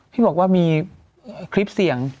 ที่บอกว่ามีคลิปเสียง